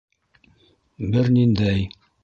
Бер ниндәй